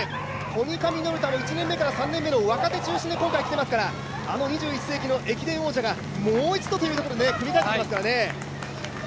コニカミノルタも１年目から３年目の若手中心で、今回きていますからあの２１世紀の駅伝王者がもう一度ということで奮い立っていますからね。